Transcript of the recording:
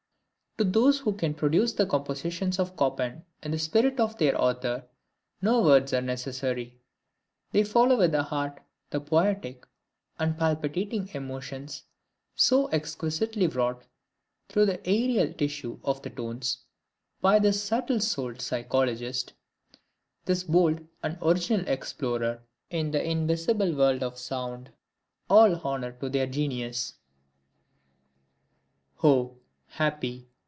To those who can produce the compositions of Chopin in the spirit of their author, no words are necessary. They follow with the heart the poetic and palpitating emotions so exquisitely wrought through the aerial tissue of the tones by this "subtle souled Psychologist," this bold and original explorer in the invisible world of sound; all honor to their genius: "Oh, happy!